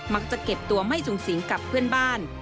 มักจะเก็บตัวไม่จุงสิงกับเพื่อนบ้าน